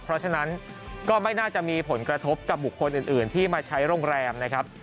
เพราะฉะนั้นก็ไม่น่าจะมีผลกระทบกับบุคคลอื่นที่มาใช้โรงแรมนะครับ